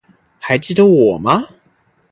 还记得我吗？